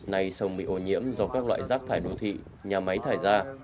nay sông bị ô nhiễm do các loại rác thải đô thị nhà máy thải ra